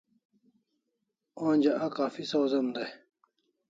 Onja a kaffi sawzem dai